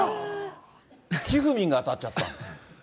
ひふみんが当たっちゃった。